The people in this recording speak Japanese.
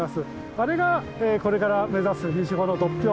あれがこれから目指す西穂の独標ですね。